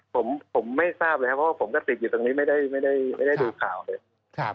เพราะว่าผมก็ติดอยู่ตรงนี้ไม่ได้ไม่ได้ไม่ได้ดูข่าวเลยครับ